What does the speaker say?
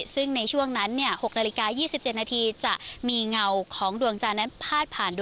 ซึ่งในช่วงนั้น๖น๒๗นจะมีเงาของดวงจานั้นพาดผ่านดวงอาทิตย์แล้ว